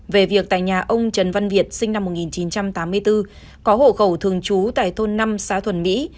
về việc tại nhà ông trần văn việt sinh năm một nghìn chín trăm tám mươi bốn có hộ khẩu thường trú tại thôn năm xã thuần mỹ